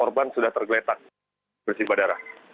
korban sudah tergeletak bersih badara